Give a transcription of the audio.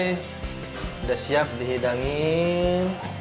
sudah siap dihidangin